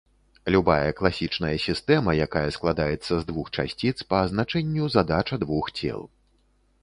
Любая класічная сістэма, якая складаецца з двух часціц, па азначэнню задача двух цел.